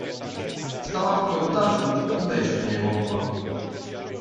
Stała w korytarzu i wejść nie mogła.